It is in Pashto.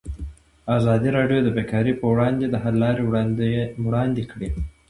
ازادي راډیو د بیکاري پر وړاندې د حل لارې وړاندې کړي.